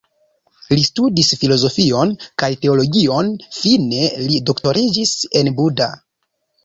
Li studis filozofion kaj teologion, fine li doktoriĝis en Buda.